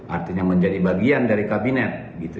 artinya menjadi bagian dari kabinet